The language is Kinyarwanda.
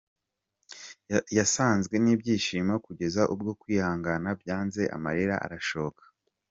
Yasazwe n’ibyishimo kugeza ubwo kwihangana byanze amarira arashoka.